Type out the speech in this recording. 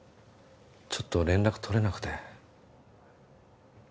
ちょっと連絡取れなくて。